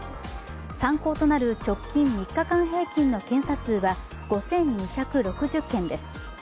参考となる直近３日間平均の検査数は５２６０件です。